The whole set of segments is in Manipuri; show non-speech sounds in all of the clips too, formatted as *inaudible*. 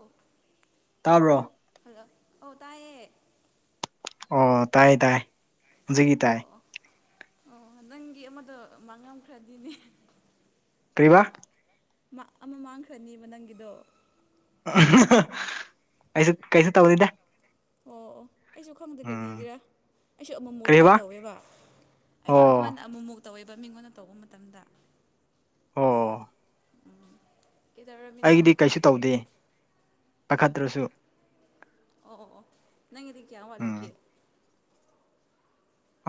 ꯑꯣ ꯇꯥꯕ꯭ꯔꯣ꯫ ꯍꯜꯂꯣ ꯑꯣ ꯇꯥꯏꯌꯦꯦ ꯑꯣ ꯇꯥꯏ ꯇꯥꯏ ꯍꯧꯖꯤꯛꯀꯤ ꯑꯣ ꯇꯥꯏ ꯑꯣ ꯑꯣ ꯅꯪꯒꯤ ꯑꯃꯗꯣ ꯃꯉꯝꯈ꯭ꯔꯗꯤꯅꯦ ꯀ꯭ꯔꯤꯕ ꯑꯃ ꯃꯥꯡꯈ꯭ꯔꯅꯤꯕ ꯅꯪꯒꯤꯗꯣ ꯀꯩꯁꯨ ꯀꯩꯁꯨ ꯇꯒꯗꯗꯦ ꯑꯣ ꯑꯣ ꯑꯩꯖꯨ ꯈꯪꯗꯦ ꯀꯔꯤꯒꯤꯔꯥ ꯑꯩꯁꯨ ꯑꯃꯨꯛ ꯑꯃꯨꯛ ꯀꯔꯤꯕ ꯑꯗꯨꯃꯥꯏꯅ ꯇꯧꯋꯦꯕ꯫ ꯑꯩꯁꯨ ꯑꯣ ꯑꯗꯨꯃꯥꯏꯅ ꯑꯃꯨꯛ ꯑꯃꯨꯛ ꯇꯧꯋꯦꯕ ꯃꯤꯉꯣꯟꯗ ꯇꯧꯕ ꯃꯇꯝꯗ꯫ ꯑꯣ꯫ ꯎꯝ ꯑꯩꯗꯤ ꯀꯩꯁꯨ ꯇꯧꯗꯦ ꯄꯥꯈꯠꯇ꯭ꯔꯁꯨ ꯑꯣ ꯑꯣ ꯑꯣ ꯅꯪꯒꯤꯗꯤ ꯀꯌꯥꯝ ꯋꯥꯠꯂꯤꯒꯦ꯫ ꯎꯝ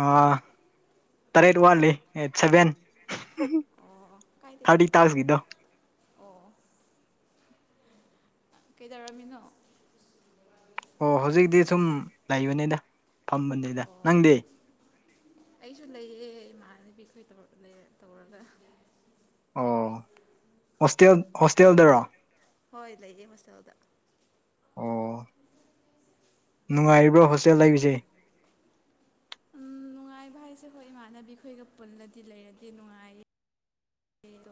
ꯑꯥ ꯇꯔꯦꯠ ꯋꯥꯠꯂꯤ ꯑꯦꯠ ꯁꯕꯦꯟ ꯑꯣ ꯑꯣ ꯀꯥꯏꯗꯦ ꯊꯥꯔꯇꯤ ꯀꯥꯏꯗꯦ ꯇꯥꯛꯁꯀꯤꯗꯣ꯫ ꯑꯣ꯫ ꯀꯩꯗꯧꯔꯝꯃꯤꯅꯣ ꯑꯣ ꯍꯧꯖꯤꯛꯇꯤ ꯁꯨꯝ ꯂꯩꯕꯅꯤꯗ ꯐꯝꯕꯅꯤꯗ ꯑꯣ ꯅꯪꯗꯤ ꯑꯩꯁꯨ ꯂꯩꯌꯦ ꯏꯃꯥꯟꯅꯕꯤꯈꯣꯏ ꯇꯧ ꯂꯩꯔ ꯇꯧꯔꯒ꯫ ꯑꯣ ꯍꯣꯁꯇꯦꯜ ꯍꯣꯁꯇꯦꯜꯗꯔꯣ꯫ ꯍꯣꯏ ꯂꯩꯌꯦ ꯍꯣꯁꯇꯦꯜꯗ꯫ ꯑꯣ꯫ ꯅꯨꯡꯉꯥꯏꯔꯤꯕ꯭ꯔꯥ ꯍꯣꯁꯇꯦꯜ ꯂꯩꯕꯁꯦ ꯅꯨꯡꯉꯥꯏꯕ ꯍꯥꯏꯁꯦ ꯍꯣꯏ ꯏꯃꯥꯟꯅꯕꯤꯈꯣꯏꯒ ꯄꯨꯜꯂꯗꯤ ꯂꯩꯔꯗꯤ ꯅꯨꯡꯉꯥꯏ꯫ *unintelligible* ꯑꯗꯣ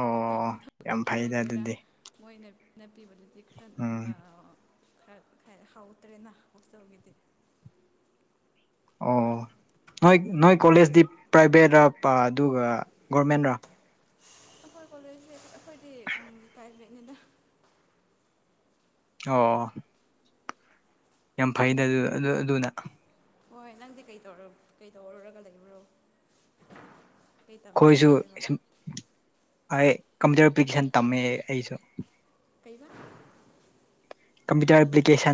ꯑꯣ ꯌꯥꯝ ꯊꯛꯄꯒꯤ ꯐꯩꯗ ꯍꯥꯏꯗꯣꯏꯔꯥ ꯑꯗꯨꯗꯤ ꯃꯣꯏꯅ ꯅꯞꯄꯤꯕ ꯄꯤꯈꯔꯦ ꯎꯝ ꯑ ꯑ ꯈꯔ ꯈꯔ ꯍꯥꯎꯇꯔꯦꯅ ꯍꯣꯁꯇꯦꯜꯒꯤꯗꯤ꯫ ꯑꯣ ꯅꯣꯏ ꯅꯣꯏ ꯀꯣꯂꯦꯖꯇꯤ ꯄ꯭ꯔꯥꯏꯚꯦꯠꯔ ꯑꯗꯨꯒ ꯒꯣꯔꯃꯦꯟꯔꯥ ꯑꯩꯈꯣꯏ ꯀꯣꯂꯦꯖꯖꯤ ꯑꯩꯈꯣꯏꯗꯤ ꯄ꯭ꯔꯥꯏꯕꯦꯠꯅꯤꯗ꯫ ꯑꯣ ꯌꯥꯝ ꯐꯩꯩꯅ ꯑꯗꯨ ꯑꯗꯨ ꯑꯗꯨꯅ꯫ ꯍꯣꯏ ꯅꯪꯗꯤ ꯀꯩ ꯇꯧꯔꯝ ꯀꯩ ꯇꯧꯔꯨꯒ ꯂꯩꯕ꯭ꯔꯣ꯫ ꯀꯩ ꯇꯝꯕ꯭ꯔꯥ ꯑꯩꯈꯣꯏꯖꯨ ꯍꯥꯏꯕ ꯁꯨꯝ ꯑꯩ ꯀꯝꯄ꯭ꯌꯨꯇꯔ ꯄꯤꯛꯁꯟ ꯇꯝꯃꯦ ꯑꯩꯁꯨ꯫ ꯀꯩꯕ꯫ ꯀꯝꯄꯤꯇꯔ ꯑꯦꯞꯄ꯭ꯂꯀꯦꯟ꯫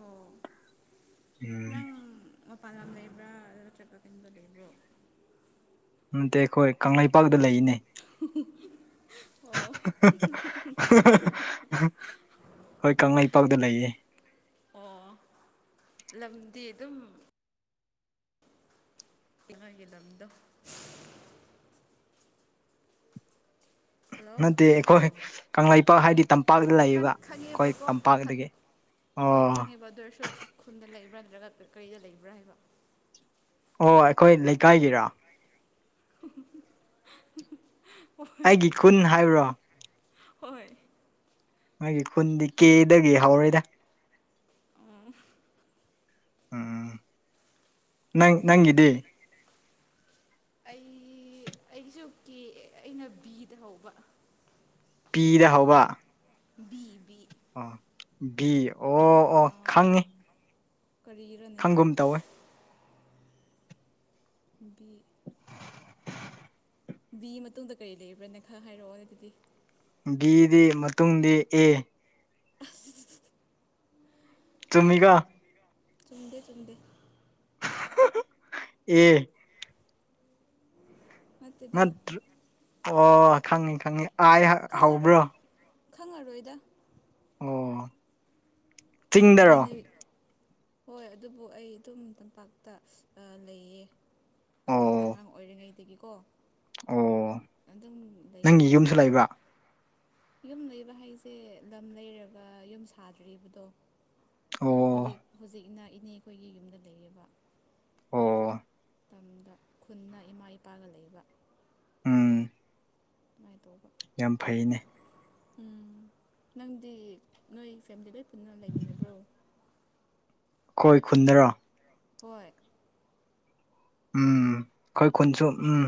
ꯑꯣ ꯎꯝ ꯅꯪ ꯃꯄꯥꯟ ꯂꯝ ꯂꯩꯕ꯭ꯔꯥ ꯅꯠꯇꯔꯒ ꯌꯨꯗ ꯂꯩꯕ꯭ꯔꯣ꯫ ꯅꯠꯇꯦ ꯑꯩꯈꯣꯏ ꯀꯪꯂꯩꯄꯥꯛꯇ ꯂꯩꯅꯦ꯫ ꯎ ꯍꯣꯏ ꯀꯪꯂꯩꯄꯥꯛꯗ ꯂꯩꯌꯦ꯫ ꯑꯣ ꯂꯝꯗꯤ ꯑꯗꯨꯝ ꯏꯉꯥꯏꯒꯤ ꯂꯝꯗꯣ ꯍꯜꯂꯣ ꯅꯠꯇꯦ ꯑꯩꯈꯣꯏ ꯀꯪꯂꯩꯄꯥꯛ ꯍꯥꯏꯗꯤ ꯇꯠ ꯈꯪ ꯈꯪꯉꯦꯕꯀꯣ ꯈꯪ ꯑꯣ ꯍꯣꯏ ꯈꯪꯉꯦꯕ ꯑꯗꯨꯑꯣꯏꯔꯁꯨ ꯈꯨꯟꯗ ꯂꯩꯕ꯭ꯔꯥ ꯅꯠꯇ꯭ꯔꯒ ꯀ ꯀꯩꯗ ꯂꯩꯕ꯭ꯔ ꯍꯥꯏꯕ꯫ ꯑꯣ ꯑꯩꯈꯣꯏ ꯂꯩꯀꯥꯏꯒꯤꯔꯥ *unintelligible* ꯍꯣꯏ ꯑꯩꯒꯤ ꯈꯨꯟ ꯍꯥꯏꯕ꯭ꯔꯣ ꯍꯣꯏ ꯃꯥꯒꯤ ꯈꯨꯟꯗꯤ ꯀꯦꯗꯒꯤ ꯍꯧꯔꯦꯗ ꯎꯝ ꯎꯝ ꯅꯪ ꯅꯪꯒꯤꯗꯤ꯫ ꯑꯩ ꯑꯩꯒꯤꯖꯨ ꯀꯦ ꯑꯩꯅ ꯕꯤꯗ ꯍꯧꯕ꯫ ꯄꯤꯅ ꯍꯧꯕ꯫ ꯕꯤ ꯕꯤ ꯑꯥ ꯕꯤ ꯑꯣ ꯑꯣ ꯑꯥ ꯈꯪꯉꯤ ꯀꯔꯤ ꯈꯪꯒꯨꯝ ꯇꯧꯋꯦ꯫ ꯕꯤ *unintelligible* ꯕꯤ ꯃꯇꯨꯡꯗ ꯀꯔꯤ ꯂꯩꯕ꯭ꯔꯥꯅꯦ ꯈꯔ ꯍꯥꯏꯔꯛꯑꯣ ꯑꯗꯨꯗꯤ꯫ ꯕꯤꯘꯤ ꯃꯇꯨꯡꯗꯤ ꯑꯦ *unintelligible* ꯆꯨꯝꯃꯤꯀꫭ ꯆꯨꯝꯗꯦ ꯆꯨꯝꯗꯦ꯫ ꯑꯦ꯫ ꯅꯠꯇꯦꯗ ꯅꯠꯇ꯭ꯔ ꯑꯣ ꯈꯪꯉꯤ ꯈꯪꯉꯤ ꯑꯥꯏ ꯍ ꯈꯪꯉꯔꯣꯏ ꯈꯪꯉꯔꯣꯏꯗ꯫ ꯑꯣ ꯕꯤ ꯆꯤꯡꯗꯔꯣ ꯂꯩ ꯍꯣꯏ ꯑꯗꯨꯕꯨ ꯑꯩ ꯑꯗꯨꯝ ꯇꯝꯄꯥꯛꯇ ꯑꯥ ꯂꯩꯌꯦ꯫ ꯑꯥ ꯑꯣ ꯑꯉꯥꯡ ꯑꯣꯏꯔꯤꯉꯩꯗꯒꯤꯀꯣ ꯑꯣ ꯑꯗꯨꯝ ꯂꯩꯌꯦ ꯅꯪꯒꯤ ꯑꯗꯣ꯫ ꯌꯨꯝꯁꯨ ꯂꯩꯕ꯭ꯔꯥ ꯌꯨꯝ ꯂꯩꯕ ꯍꯥꯏꯖꯦ ꯂꯝ ꯂꯩꯔꯒ ꯌꯨꯝ ꯁꯥꯗ꯭ꯔꯤꯕꯗꯣ ꯑꯣ ꯍꯧꯖꯤꯛ ꯍꯧꯖꯤꯛꯅ ꯏꯅꯦ ꯈꯣꯏꯒꯤ ꯌꯨꯝꯗ ꯂꯩꯌꯦꯕ ꯑꯣ ꯃꯇꯝꯗ ꯈꯨꯟꯅ ꯏꯃꯥ ꯏꯄꯥꯒ ꯂꯩꯕ꯫ ꯎꯝ꯫ ꯑꯗꯨꯃꯥꯏ ꯇꯧꯕ ꯌꯥꯝ ꯐꯩꯅꯦ꯫ ꯎꯝ ꯅꯪꯗꯤ ꯅꯣꯏ ꯐꯦꯃꯤꯂꯤ ꯂꯣꯏ ꯄꯨꯟꯅ ꯂꯩꯃꯤꯟꯅꯕ꯭ꯔꯣ ꯑꯩꯈꯣꯏ ꯈꯨꯟꯗꯔꯣ ꯍꯣꯏ ꯎꯝ ꯑꯩꯈꯣꯏ ꯈꯨꯟꯁꯨ ꯎꯝ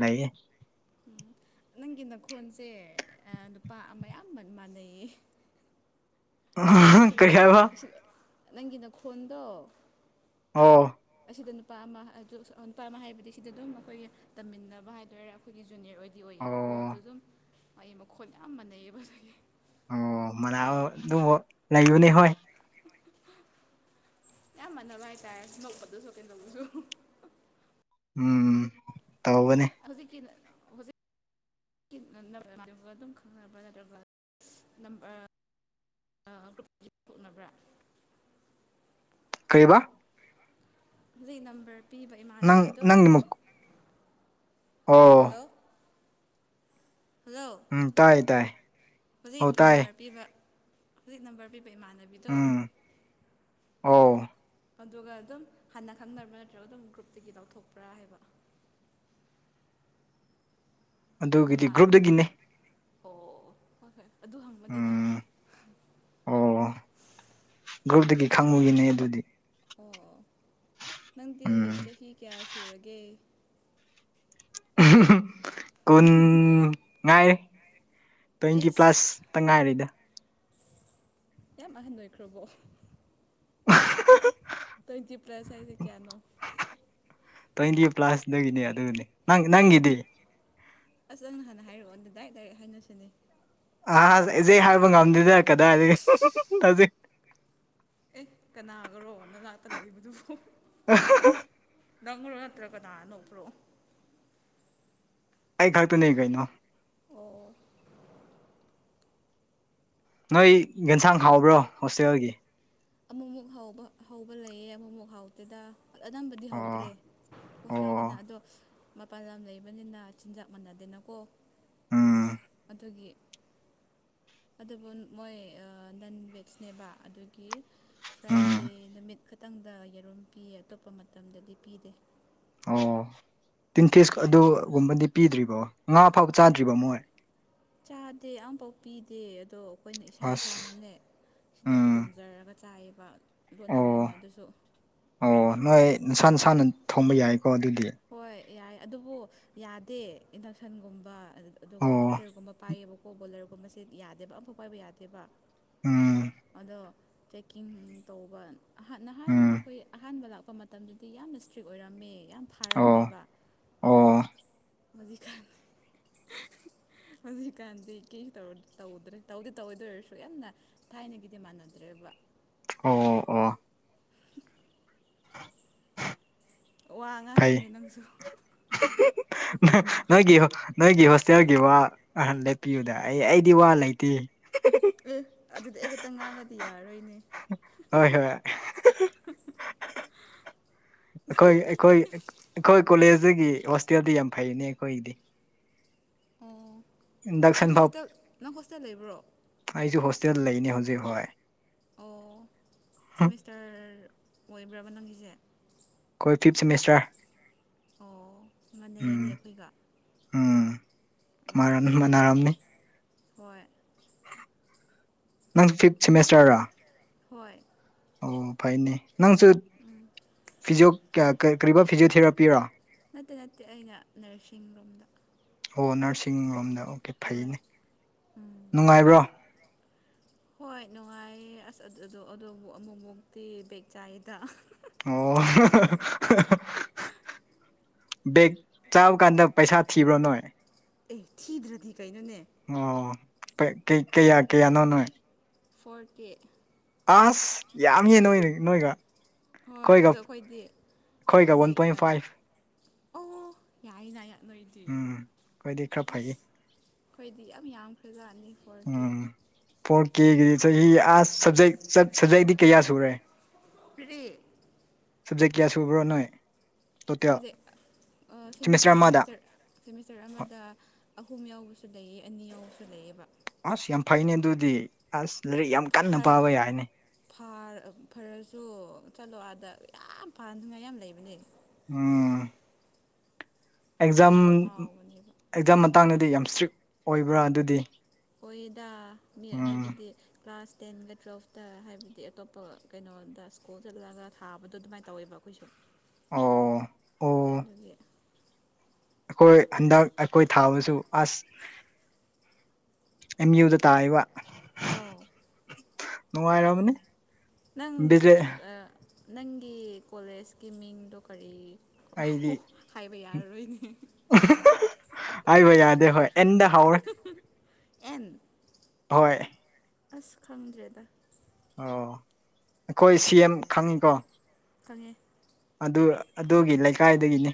ꯂꯩꯌꯦ꯫ ꯎꯝ ꯅꯪꯒꯤ ꯅꯈꯣꯟꯜꯁꯦ ꯅꯨꯄꯥ ꯑꯃ ꯌꯥꯝꯕ ꯃꯥꯟꯅꯩꯌꯦ꯫ ꯁꯤꯗ ꯀꯩ ꯍꯥꯏꯕ ꯁꯤꯗ ꯅꯪꯒꯤ ꯅ ꯈꯣꯟꯗꯣ ꯑꯣ꯫ ꯑꯁꯤꯗ ꯅꯨꯄꯥ ꯑꯃ *unintelligible* ꯅꯨꯄꯥ ꯑꯃ ꯍꯥꯏꯕꯗꯤ ꯁꯤꯗ ꯑꯗꯨꯝ ꯑꯩꯈꯣꯏꯒꯤ ꯇꯝꯃꯤꯟꯅꯕ ꯍꯥꯏꯗꯣꯏꯔ ꯑꯩꯈꯣꯏꯒꯤ ꯖꯨꯅꯤꯌꯔ ꯑꯣꯏꯗꯤ ꯑꯣꯏꯌꯦꯕꯀꯣ ꯑꯗꯨ ꯑꯣ ꯑꯗꯨꯝ ꯃꯒꯤ ꯃꯈꯣꯟ ꯌꯥꯝ ꯃꯥꯟꯅꯩꯌꯦꯕ ꯑꯗꯨꯒꯤ ꯑꯣ ꯃꯅꯥꯑꯣ ꯑꯗꯨꯝꯕ ꯂꯩꯕꯅꯤ ꯍꯣꯏ꯫ ꯌꯥꯝ ꯃꯥꯟꯅꯕ ꯍꯥꯏꯇꯥꯔꯦ ꯅꯄꯗꯁꯨ ꯀꯩꯗꯧꯕꯁꯨ ꯎꯝ ꯇꯧꯕꯅꯤ ꯍꯧꯖꯤꯛꯀꯤ ꯍꯧꯖꯤꯛ ꯑꯗꯨꯝ *unintelligible* ꯈꯪꯅꯕ꯭ꯔꯥ ꯅꯠꯇ꯭ꯔꯒꯝꯕ ꯑ ꯒ꯭ꯔꯨꯞ ꯀꯣꯛꯅꯕ꯭ꯔꯥ *unintelligible* ꯀꯩꯕ ꯍꯧꯖꯤꯛ ꯅꯝꯕꯔ ꯄꯤꯕ ꯅꯪ ꯏꯃꯥꯟꯅꯕꯤꯗꯣ ꯅꯪꯒꯤ ꯃꯨꯛ ꯑꯣ ꯍꯜꯂꯣ ꯍꯜꯂꯣ ꯎꯝ ꯇꯥꯏ ꯇꯥꯏ ꯍꯧꯖꯤꯛ ꯑꯣ ꯇꯥꯏ ꯅꯝꯕꯔ ꯄꯤꯕ ꯍꯧꯖꯤꯛ ꯅꯝꯕꯔ ꯄꯤꯕ ꯏꯃꯥꯟꯅꯕꯤꯗꯣ ꯎꯝ ꯑꯣ ꯑꯗꯨꯒ ꯑꯗꯨꯝ ꯍꯟꯅ ꯈꯪꯔꯕ꯭ꯔꯥ ꯅꯠꯇ꯭ꯔꯒ ꯑꯗꯨꯝ ꯒ꯭ꯔꯨꯞꯇꯒꯤ ꯂꯧꯊꯣꯛꯄ꯭ꯔꯥ ꯍꯥꯏꯕ ꯑꯗꯨꯒꯤꯗꯤ ꯅꯃꯥ ꯒ꯭ꯔꯨꯞꯇꯒꯤꯅꯦ ꯑꯣ ꯍꯣꯏ ꯍꯣꯏ ꯑꯗꯨ ꯍꯪꯕꯅꯤꯗ ꯎꯝ ꯑꯣ ꯒ꯭ꯔꯨꯞꯇꯒꯤ ꯈꯪꯕꯒꯤꯅꯦ ꯑꯗꯨꯗꯤ ꯑꯣ ꯅꯪꯗꯤ ꯎꯝ ꯆꯍꯤ ꯀꯌꯥ ꯁꯨꯔꯒꯦ *unintelligible* ꯀꯨꯟ ꯉꯥꯏꯔꯦ ꯇ꯭ꯋꯦꯟꯇꯤ ꯏꯁ ꯄ꯭ꯂꯁꯇ ꯉꯥꯏꯔꯤꯗ ꯌꯥꯝ ꯑꯍꯟ ꯑꯣꯏꯈ꯭ꯔꯕꯣ *unintelligible* ꯇ꯭ꯋꯦꯟꯇꯤ ꯄ꯭ꯂꯁ ꯍꯥꯏꯁꯦ ꯀꯌꯥꯅꯣ ꯇ꯭ꯋꯦꯟꯇꯤ ꯄ꯭ꯂꯥꯁꯗꯒꯤꯅꯦ ꯑꯗꯨꯅꯦ ꯅꯪꯒꯤꯗꯤ ꯑꯁ ꯅꯪꯅ ꯍꯥꯟꯅ ꯍꯥꯏꯔꯛꯑꯣ ꯑꯗꯨ ꯗꯥꯏꯔꯦꯛ ꯗꯥꯏꯔꯦꯛ ꯍꯥꯏꯅꯁꯤꯅꯦ ꯑ ꯏꯖꯦꯛ ꯍꯥꯏꯕ ꯉꯝꯗꯦꯗ ꯀꯗꯥꯏꯗꯒꯤ ꯍꯧꯖꯤꯛ ꯑꯦ ꯀꯅꯥꯒꯔꯣ ꯅꯅꯥꯛꯇ ꯂꯩꯕꯗꯨꯕꯨ ꯅꯪꯔꯣ ꯅꯠꯇ꯭ꯔ ꯀꯅꯥ ꯅꯣꯛꯄ꯭ꯔꯣ ꯑꯩ ꯈꯛꯇꯅꯦ ꯀꯩꯅꯣ ꯑꯣ ꯅꯣꯏ ꯌꯦꯟꯁꯥꯡ ꯍꯥꯎꯕ꯭ꯔꯣ ꯍꯣꯁꯇꯦꯜꯒꯤ ꯑꯃꯨꯛꯃꯨꯛ ꯍꯥꯎꯕ ꯍꯧꯕ ꯂꯩꯌꯦ ꯑꯃꯨꯛꯃꯨꯛ ꯍꯥꯎꯇꯦꯗ ꯑꯅꯝꯕꯗꯤ ꯑꯣ ꯍꯧꯗ꯭ꯔꯦ ꯍꯣꯁꯇꯦꯜꯅꯤꯅ ꯑꯣ ꯑꯗꯣ ꯃꯄꯥꯟ ꯂꯝ ꯂꯩꯕꯅꯤꯅ ꯆꯤꯟꯖꯥꯛ ꯃꯥꯟꯅꯗꯦꯅꯀꯣ ꯎꯝ ꯑꯗꯨꯒꯤ ꯑꯗꯨꯕꯨ ꯃꯣꯏ ꯅꯟꯕꯦꯖ ꯅꯦꯕ ꯑꯗꯨꯒꯤ ꯎꯝ ꯐ꯭ꯔꯥꯏꯗꯦ ꯅꯨꯃꯤꯠ ꯈꯤꯇꯪꯗ ꯌꯦꯔꯨꯝ ꯄꯤꯌꯦ ꯑꯇꯣꯞꯄ ꯃꯇꯝꯗꯗꯤ ꯄꯤꯗꯦ ꯑꯣ ꯇꯤꯟ ꯐꯤꯁ ꯑꯗꯨꯒꯨꯝꯕꯗꯤ ꯄꯤꯗ꯭ꯔꯤꯕꯣ ꯉꯥ ꯐꯥꯎꯕ ꯆꯥꯗ꯭ꯔꯤꯕꯣ ꯃꯣꯏ ꯆꯥꯗꯦ ꯑꯃꯐꯥꯎ ꯄꯤꯗꯦ ꯑꯗꯣ ꯑꯩꯈꯣꯏꯅ ꯏꯁꯥ ꯑꯁ ꯏꯁꯥꯅꯅꯦ ꯁꯤꯗ ꯎꯝ ꯊꯣꯡꯖꯔꯒ ꯆꯥꯏꯌꯦꯕ ꯂꯣꯟꯅ ꯑꯣ ꯂꯣꯟꯅ ꯑꯗꯨꯁꯨ ꯑꯣ ꯅꯣꯏ ꯅꯁꯥ ꯅꯁꯥꯅ ꯊꯣꯝꯕ ꯌꯥꯏꯀꯣ ꯑꯗꯨꯗꯤ ꯍꯣꯏ ꯌꯥꯏ ꯑꯗꯨꯕꯨ ꯌꯥꯗꯦ ꯏꯟꯗꯛꯁꯟꯒꯨꯝꯕ ꯑꯗꯨꯒ ꯑꯣ ꯍꯤꯇꯔꯒꯨꯝꯕ ꯄꯥꯏꯌꯦꯕꯀꯣ ꯕꯣꯂꯔꯒꯨꯝꯕꯁꯦ ꯌꯥꯗꯦꯕ ꯑꯝꯐꯥꯎ ꯄꯥꯏꯕ ꯌꯥꯗꯦꯕ ꯎꯝ ꯑꯗꯣ ꯆꯦꯛꯀꯤꯡ ꯇꯧꯕ ꯑꯍꯥꯟ ꯅꯍꯥꯟ ꯎꯝ ꯑꯈꯣꯏ ꯑꯍꯥꯟꯕ ꯂꯥꯛꯄ ꯃꯇꯝꯗꯗꯤ ꯌꯥꯝꯅ ꯏꯁꯇ꯭ꯔꯤꯛ ꯑꯣꯏꯔꯝꯃꯦ ꯌꯥꯝ ꯑꯣ ꯊꯥꯔꯝꯃꯦꯕ ꯑꯣ ꯍꯧꯖꯤꯛꯀꯥꯟ *unintelligible* ꯍꯧꯖꯤꯛꯀꯥꯟꯗꯤ ꯀꯩꯁ ꯇꯧ ꯇꯧꯗꯔꯦ ꯇꯧꯗꯤ ꯇꯧꯋꯦ ꯑꯗꯨ ꯑꯣꯏꯔꯁꯨ ꯌꯥꯝꯅ ꯊꯥꯏꯅꯒꯤꯗꯤ ꯃꯥꯟꯅꯗ꯭ꯔꯦꯕ ꯑꯣ ꯑꯣ ꯋꯥ ꯐꯩ ꯉꯥꯡꯉꯨꯅꯦ ꯅꯪꯁꯨ *unintelligible* ꯅꯣꯏꯒꯤ ꯅꯣꯏꯒꯤ ꯍꯣꯁꯇꯦꯜꯒꯤ ꯋꯥ ꯑ ꯂꯦꯞꯄꯤꯌꯨꯗ ꯑꯩ ꯑꯩꯗꯤ ꯋꯥ ꯂꯩꯇꯦ ꯑꯦ ꯑꯗꯨꯗꯤ ꯑꯩ ꯈꯛꯇꯪ ꯉꯥꯡꯉꯗꯤ ꯌꯥꯔꯔꯣꯏꯅꯦ *unintelligible* ꯑꯩꯈꯣꯏ ꯑꯩꯈꯣꯏ ꯑꯩꯈꯣꯏ ꯀꯣꯂꯦꯖꯇꯒꯤ ꯍꯣꯁꯇꯦꯜꯗꯤ ꯌꯥꯝ ꯐꯩꯅꯦ ꯑꯩꯈꯣꯏꯒꯤꯗꯤ ꯑꯣ ꯏꯟꯗꯛꯁꯟ ꯅꯪꯁꯨ ꯐꯥꯎ ꯍꯣꯁꯇꯦꯜ ꯅꯪ ꯍꯣꯁꯇꯦꯜ ꯂꯩꯕ꯭ꯔꯣ ꯑꯩꯁꯨ ꯍꯣꯁꯇꯦꯜ ꯂꯩꯅꯤ ꯍꯧꯖꯤꯛ ꯍꯣꯏ ꯑꯣ ꯑꯩꯈꯣꯏ ꯁꯦꯝꯃꯤꯁꯇꯔ ꯑꯣꯏꯕ꯭ꯔꯕ ꯅꯪꯒꯤꯁꯦ ꯑꯩꯈꯣꯏ ꯐꯤꯞ ꯁꯦꯝꯃꯤꯁꯇꯔ ꯑꯣ ꯃꯅꯩꯅꯦ ꯎꯝ ꯑꯈꯣꯏꯒ ꯎꯝ ꯃꯔꯝ ꯃꯅꯥꯔꯝꯅꯤ ꯍꯣꯏ ꯅꯪ ꯐꯤꯞ ꯁꯤꯃꯤꯁꯇꯔ ꯔꯥ ꯍꯣꯏ ꯑꯣ ꯐꯩꯅꯦ ꯅꯪꯁꯨ ꯐꯤꯖꯤꯑꯣ ꯀꯔꯤꯕꯥ ꯐꯤꯖꯤꯑꯣꯊꯦꯔꯥꯄꯤꯔꯣ ꯅꯠꯇꯦ ꯅꯠꯇꯦ ꯑꯩꯅ ꯅꯔꯁꯤꯡꯔꯣꯝꯗ ꯑꯣ ꯅꯔꯁꯤꯡ ꯔꯣꯝꯗ ꯑꯣ ꯍꯣꯏ ꯐꯩꯅꯦ ꯎꯝ ꯅꯨꯡꯉꯥꯏꯕ꯭ꯔꯣ ꯍꯣꯏ ꯅꯨꯡꯉꯥꯏꯌꯦ ꯑꯁ ꯑꯗꯨꯕꯨ ꯑꯃꯨꯛ ꯃꯨꯛꯇꯤ ꯕꯦꯛ ꯆꯥꯏꯌꯦꯗ ꯑꯣ ꯕꯦꯒ ꯆꯥꯕ ꯀꯥꯟꯗ ꯄꯩꯁꯥ ꯊꯤꯕ꯭ꯔ ꯅꯣꯏ ꯑꯦ ꯊꯤꯗ꯭ꯔꯗꯤ ꯀꯩꯅꯣꯅꯦ ꯑꯣ ꯀꯌꯥ ꯀꯌꯥꯅꯣ ꯅꯣꯢ ꯐꯣꯔ ꯀꯦ ꯑꯁ ꯌꯥꯝꯃꯦ ꯅꯣꯏꯅ ꯅꯣꯏꯒ ꯍꯣꯏ ꯑꯩꯈꯣꯏꯒ ꯑꯗꯣ ꯑꯈꯣꯏꯗꯤ ꯑꯩꯈꯣꯏꯒ ꯋꯥꯟ ꯁꯕꯖꯦꯛ ꯄꯣꯏꯟ ꯑ ꯐꯥꯏꯚ ꯑꯣ ꯌꯥꯏꯅ ꯅꯣꯏꯗꯤ ꯎꯝ ꯑꯩꯈꯣꯏꯗꯤ ꯈꯔ ꯑꯁ ꯐꯩꯌꯦ ꯑꯈꯣꯏꯗꯤ ꯌꯥꯝ ꯌꯥꯝꯈ꯭ꯔꯖꯥꯠꯅꯤ ꯐꯣꯔ ꯀꯦ ꯎꯝ ꯐꯣꯔ ꯀꯦꯒꯤ ꯆꯍꯤ ꯑ ꯁꯖꯦꯛ ꯁꯕꯖꯦꯛꯇꯤ ꯀꯌꯥ ꯁꯨꯔꯦ ꯀꯔꯤ ꯁꯞꯖꯦꯛ ꯀꯌꯥ ꯁꯨꯕ꯭ꯔꯣ ꯅꯣꯏ ꯇꯣꯇꯦꯜ ꯁꯕꯖꯦꯛ ꯁꯤꯃꯤꯁꯇꯔ ꯁꯦꯃꯤꯁꯇꯔ ꯑꯃꯗ ꯁꯦꯃꯤꯁꯇꯔ ꯁꯦꯃꯤꯁꯇꯔ ꯍꯣꯏ ꯑꯃꯗ ꯑꯍꯨꯝ ꯌꯥꯎꯕꯁꯨ ꯂꯩꯌꯦ ꯑꯅꯤ ꯌꯥꯎꯕꯁꯨ ꯂꯩꯑꯦꯕ ꯑꯁ ꯌꯥꯝ ꯐꯩꯅꯦ ꯑꯗꯨꯗꯤ ꯑꯁ ꯂꯥꯏꯔꯤꯛ ꯌꯥꯝ ꯀꯟꯅ ꯄꯥꯕ ꯌꯥꯏꯅꯦ ꯐꯥ ꯐꯔꯁꯨ ꯆꯠꯂꯣ ꯑꯗ ꯌꯥꯝ ꯐꯅꯤꯉꯥꯏ ꯌꯥꯝ ꯂꯩꯕꯅꯦ ꯑꯝ ꯑꯦꯛꯖꯥꯝ ꯀꯣꯛ ꯉꯥꯎꯕꯅꯦꯕ ꯑꯦꯛꯖꯥꯝ ꯃꯇꯥꯡꯗꯗꯤ ꯌꯥꯝ ꯏꯁꯇ꯭ꯔꯤꯛ ꯑꯣꯏꯕ꯭ꯔꯥ ꯑꯗꯨꯗꯤ ꯑꯣꯏꯌꯦꯗꯥ ꯃꯤ ꯎꯝ ꯍꯥꯏꯕꯗꯤ ꯀ꯭ꯂꯥꯁ ꯇꯦꯟꯒ ꯇꯨꯋꯜꯐꯇ ꯍꯥꯏꯕꯗꯤ ꯑꯇꯣꯞꯄ ꯀꯩꯅꯣꯗ ꯁ꯭ꯀꯨꯜ ꯆꯠꯂꯒ ꯊꯥꯕꯗꯣ ꯑꯗꯨꯃꯥꯏꯅ ꯇꯧꯋꯦꯕ ꯑꯈꯣꯏꯁꯨ ꯑꯣ ꯑꯗꯨꯒꯤ ꯍꯣꯢ ꯍꯟꯗꯛ ꯑꯈꯣꯏ ꯊꯥꯕꯁꯨ ꯑꯁ ꯑꯦꯝ ꯌꯨꯗ ꯇꯥꯥꯢꯌꯦꯕ ꯑꯥꯎ ꯅꯨꯡꯉꯥꯏꯔꯝꯒꯅꯤ ꯅꯪ ꯅꯪꯒꯤ ꯀꯣꯂꯦꯖꯀꯤ ꯃꯤꯡꯗꯣ ꯀꯔꯤ ꯑꯩꯗꯤ ꯍꯥꯏꯕ ꯌꯥꯔꯔꯣꯏꯅꯦ ꯍꯥꯏꯕ ꯌꯥꯗꯦ ꯍꯣꯏ ꯑꯦꯟꯗ ꯍꯥꯎꯔꯦ ꯑꯦꯟ ꯍꯣꯏ ꯑꯁ ꯈꯪꯗ꯭ꯔꯦꯗ ꯑꯣ ꯑꯩꯈꯣꯏ ꯁꯤ ꯑꯦꯝ ꯈꯪꯉꯤꯀꯣ ꯈꯪꯉꯦ ꯑꯗꯨ ꯑꯗꯨꯒꯤ ꯂꯩꯀꯥꯏꯗꯒꯤꯅꯤ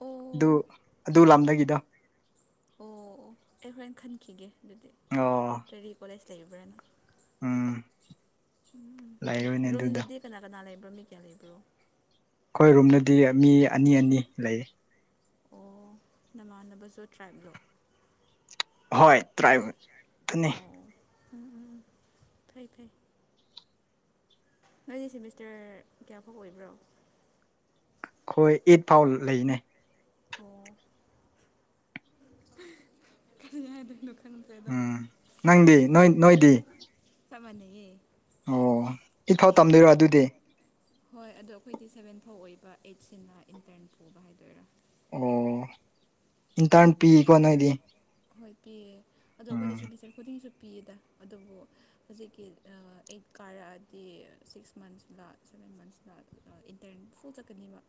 ꯑꯣ ꯑꯗꯨ ꯑꯣ ꯑꯗꯨ ꯂꯝꯗꯒꯤꯗꯣ ꯑꯣ ꯑꯣ ꯑꯩ ꯍꯣꯔꯦꯟ ꯈꯠꯈꯤꯒꯦ ꯑꯗꯨꯗꯤ ꯑꯣ ꯀꯔꯤ ꯀꯣꯂꯦꯖ ꯂꯩꯕ꯭ꯔꯥꯅ ꯎꯝ ꯂꯩꯔꯣꯏꯅꯦ ꯑꯗꯨꯗ ꯔꯨꯝꯗꯨꯗꯤ ꯀꯅꯥ ꯀꯅꯥ ꯂꯩꯕ꯭ꯔꯣ ꯃꯤ ꯀꯌꯥ ꯂꯩꯕ꯭ꯔꯣ ꯑꯩꯈꯣꯏ ꯔꯨꯝꯗꯗꯤ ꯃꯤ ꯑꯅꯤ ꯑꯅꯤ ꯂꯩꯌꯦ ꯑꯣ ꯅꯃꯥꯟꯅꯕꯁꯨ ꯇ꯭ꯔꯥꯏꯞꯂꯣ ꯍꯣꯏ ꯇ꯭ꯔꯥꯏꯞ ꯇꯅꯤ ꯎꯝ ꯎꯝ ꯎꯝ ꯐꯩ ꯐꯩ ꯅꯣꯏꯁꯦ ꯁꯦꯃꯤꯁꯇꯔ ꯀꯌꯥꯐꯥꯎ ꯑꯣꯏꯕ꯭ꯔꯣ ꯑꯈꯣꯏ ꯏꯠ ꯐꯥꯎ ꯂꯩꯅꯦ ꯑꯣ ꯀꯔꯤ ꯍꯥꯏ ꯎꯝ ꯅꯪꯗꯤ ꯅꯣꯏ ꯅꯣꯏꯗꯤ ꯆꯞ ꯃꯥꯟꯅꯩꯌꯦ ꯑꯣ ꯏꯝꯐꯥꯜ ꯇꯝꯗꯣꯏꯔꯣ ꯑꯗꯨꯗꯤ ꯍꯣꯏ ꯑꯗꯣ ꯑꯩꯈꯣꯏꯗꯤ ꯁꯕꯦꯟ ꯐꯥꯎ ꯑꯣꯏꯕ ꯑꯩꯠꯁꯤꯅ ꯏꯟꯇꯔꯟ ꯄꯨꯕ ꯍꯥꯏꯗꯣꯏꯔꯥ ꯑꯣ ꯏꯟꯇꯔ ꯄꯤꯀꯣ ꯅꯣꯏꯗꯤ ꯍꯣꯏ ꯄꯤꯌꯦ ꯑꯗꯣ ꯑꯩꯈꯣꯏꯗ ꯎꯝ ꯁꯦꯃꯤꯁꯇꯔ ꯈꯨꯗꯤꯡꯁꯨ ꯄꯤꯌꯦꯗ ꯑꯗꯨꯕꯨ ꯍꯧꯖꯤꯛꯀꯤ ꯑꯩꯠ ꯀꯥꯔꯛꯑꯗꯤ ꯁꯤꯛꯁ ꯃꯟꯁ ꯂꯥꯛ ꯁꯚꯦꯟ ꯃꯟꯁ ꯂꯥꯛꯦ ꯏꯟꯇꯔꯅꯦꯠ ꯐꯨꯜ ꯆꯠꯀꯅꯦꯕ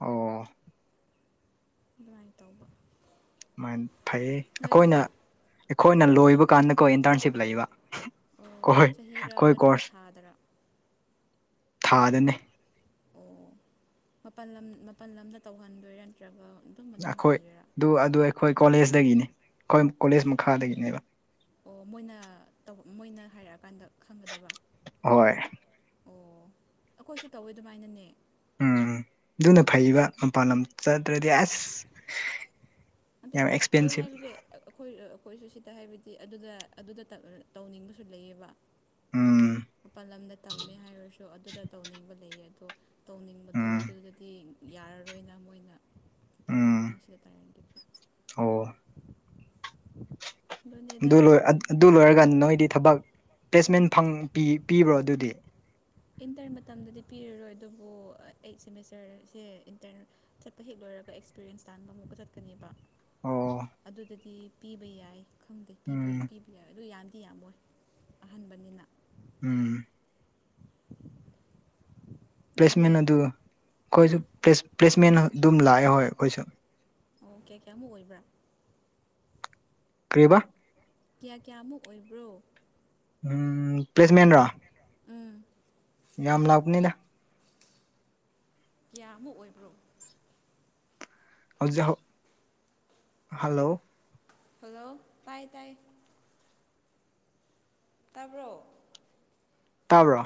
ꯑꯣ ꯑꯗꯨꯃꯥꯏ ꯇꯧꯕ ꯁꯃꯥꯏꯅ ꯐꯩꯌꯦ ꯑꯩꯈꯣꯏꯅ ꯅꯣꯏꯗꯤ ꯑꯩꯈꯣꯏꯅ ꯂꯣꯏꯕ ꯀꯥꯟꯗ ꯀꯣꯏ ꯏꯟꯇꯨꯔꯟꯁꯤꯞ ꯂꯩꯕ ꯑꯣ ꯀꯣꯏ ꯆꯍꯤꯔꯥ ꯈꯣꯏ ꯅꯠꯇ꯭ꯔꯒ ꯀꯣꯔꯁ ꯊꯥꯗꯔꯥ ꯊꯥꯗꯅꯤ ꯑꯣ ꯃꯄꯜ ꯂꯝ ꯃꯄꯜ ꯂꯝꯗ ꯇꯧꯍꯟꯗꯣꯏꯔꯥ ꯅꯠꯇ꯭ꯔꯒ ꯑꯗꯨꯝ ꯃꯅꯨꯡ ꯑꯩꯈꯣꯏ ꯇꯧꯒꯦꯔꯥ ꯑꯗꯨ ꯑꯗꯨ ꯑꯩꯈꯣꯏ ꯀꯣꯂꯦꯖꯇꯗꯒꯤꯅꯤ ꯑꯩꯈꯣꯏ ꯀꯣꯂꯦꯖ ꯃꯈꯥꯗꯒꯤꯅꯦꯕ ꯑꯣ ꯃꯣꯏꯅ ꯇꯧꯕ ꯃꯣꯏꯅ ꯍꯥꯏꯔꯛꯑꯀꯥꯟꯗ ꯈꯪꯒꯗꯕ ꯍꯣꯏ ꯑꯣ ꯑꯩꯈꯣꯏꯁꯨ ꯇꯧꯋꯦ ꯑꯗꯨꯃꯥꯏꯅꯅꯦ ꯎꯝ ꯑꯗꯨꯅ ꯐꯩꯕ ꯃꯄꯥꯟ ꯂꯝ ꯆꯠꯇ꯭ꯔꯗꯤ ꯑꯁ ꯑꯗ ꯌꯥꯝ ꯊ ꯑꯦꯛꯁꯄꯦꯟꯁꯤꯞ ꯍꯥꯏꯔꯤꯕ ꯑꯩꯈꯣꯏ ꯑꯩꯈꯣꯏꯁꯨ ꯁꯤꯗ ꯍꯥꯏꯕꯗꯤ ꯑꯗꯨꯗ ꯑꯗꯨꯗ ꯇꯧꯅꯤꯡꯕꯁꯨ ꯂꯩꯌꯦꯕ ꯎꯝ ꯃꯄꯥꯜ ꯂꯝꯗ ꯇꯝꯃꯦ ꯍꯥꯏꯔꯁꯨ ꯑꯗꯨꯗ ꯇꯧꯅꯤꯡꯕ ꯂꯩꯌꯦ ꯑꯗꯣ ꯇꯧꯅꯤꯡꯕꯗꯣ ꯎꯝ ꯑꯗꯨꯗꯗꯤ ꯌꯥꯔꯔꯣꯏꯅ ꯃꯣꯏꯅ ꯄꯜ ꯂꯝ ꯎꯝ *unintelligible* *unintelligible* ꯑꯣ ꯑꯗꯨꯅꯦꯗ ꯑꯗꯨ ꯂꯣꯏ ꯑꯗꯨ ꯂꯣꯏꯔꯒꯥꯟ ꯅꯣꯏꯗꯤ ꯊꯕꯛ ꯄ꯭ꯂꯦꯁꯃꯦꯟ ꯄꯤꯕ꯭ꯔꯣ ꯑꯗꯨꯗꯤ ꯏꯟꯇꯔ ꯃꯇꯝꯗꯗꯤ ꯄꯤꯔꯔꯣꯏ ꯑꯗꯨꯕꯨ ꯑꯩꯠ ꯁꯦꯃꯤꯁꯇꯔꯁꯦ ꯏꯟꯇꯔ ꯆꯠꯄ ꯍꯦꯛ ꯂꯣꯏꯔꯒ ꯑꯦꯛꯁꯄꯤꯔꯤꯌꯦꯟꯁ ꯇꯥꯟꯕ ꯆꯠꯀꯅꯤꯕ ꯑꯣ ꯑꯗꯨꯗꯗꯤ ꯄꯤꯕ ꯌꯥꯏ ꯈꯪꯗꯦ ꯄꯤꯕ ꯎꯝ ꯄꯤꯕ ꯌꯥꯏ ꯑꯗꯨ ꯌꯥꯝꯗꯤ ꯌꯥꯝꯃꯣꯏ ꯑꯍꯟꯥꯟꯕꯅꯤꯅ ꯎꯝ *unintelligible* ꯅꯣꯏꯗꯤ ꯄ꯭ꯂꯦꯁꯃꯦꯟ ꯑꯗꯨ ꯍꯥ ꯑꯩꯈꯣꯏꯁꯨ ꯄ꯭ꯂꯦꯁꯃꯦꯟ ꯑꯗꯨꯝ ꯂꯥꯛꯑꯦ ꯍꯣꯏ ꯑꯩꯈꯣꯏꯁꯨ ꯑꯣ ꯀꯌꯥ ꯀꯌꯥꯃꯨꯛ ꯑꯣꯏꯕ꯭ꯔꯥ ꯀ꯭ꯔꯤꯕꯥ ꯀꯌꯥ ꯀꯌꯥꯃꯨꯛ ꯑꯣꯏꯕ꯭ꯔꯣ ꯎꯝ ꯄ꯭ꯂꯦꯁꯃꯦꯟ꯭ ꯂꯣ ꯎꯝ ꯌꯥꯝ ꯂꯥꯛꯄꯅꯤꯅ ꯀꯌꯥꯃꯨꯛ ꯑꯣꯏꯕ꯭ꯔꯣ ꯖꯍꯣ ꯍꯜꯂꯣ ꯍꯜꯂꯣ ꯇꯥꯏ ꯇꯥꯏ ꯇꯥꯕ꯭ꯔꯣ ꯇꯥꯕ꯭ꯔꯣ